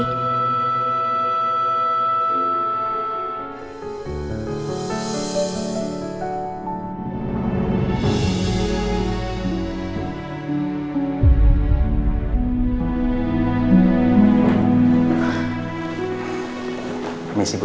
terima kasih bu